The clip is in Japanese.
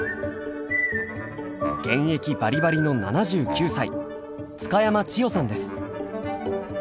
現役バリバリの７９歳津嘉山千代さんです。